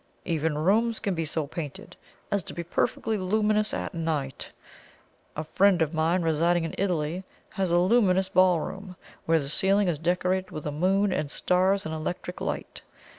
Even rooms can be so painted as to be perfectly luminous at night. A friend of mine, residing in Italy, has a luminous ballroom, where the ceiling is decorated with a moon and stars in electric light.